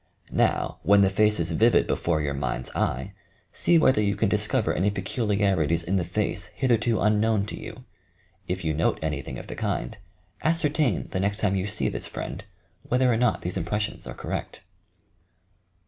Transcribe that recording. Now when the face is vivid before your mind's eye, see whether you can discover any peculiarities in the face hitherto un known to you. If you note anything of the kind, ascertain, the next time you see this friend, whether or not these impressions are correct.